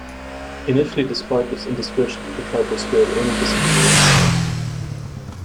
Initially despite this indiscretion, the club was spared any disciplinary action.